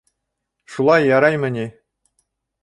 Шулай яраймы ни?